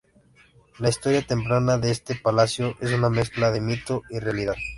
La historia temprana de este palacio es una mezcla de mito y realidad.